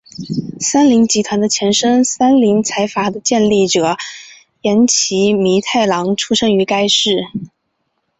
三菱集团的前身三菱财阀的创立者岩崎弥太郎出身于该市。